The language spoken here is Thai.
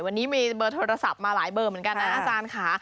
วันนี้มีเบอร์โทรศัพท์มาหลายเบอร์เหมือนกันนะอาจารย์ค่ะ